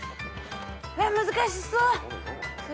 えっ難しそう！